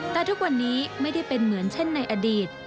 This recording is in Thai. แต่ทุกวันนี้ไม่ได้เป็นเหมือนเช่นในอดีต